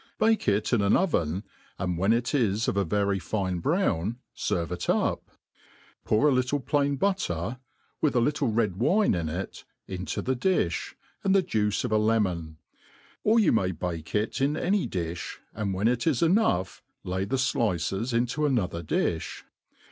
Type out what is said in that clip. Bake it in an oven, and when it is of a very fine brown ferve it up ; pour a little plain butter (with a little red wine in it) into the di(b, and the juice of a lemon : or you nlay bake it in any difli, and when it is enough lay the flices into another di(h.